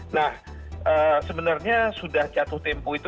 nah sebenarnya sudah catuh tempuh itu